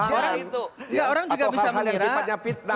atau hal hal yang sifatnya fitnah